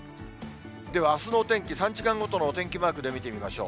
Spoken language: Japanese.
ではあすのお天気、３時間ごとのお天気マークで見てみましょう。